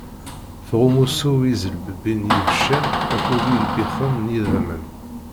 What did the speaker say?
Tɣum usu-w i iẓelbebbin s yibeccan akked yilbixen n yidammen.